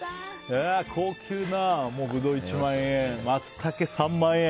高級なブドウ１万円マツタケ３万円。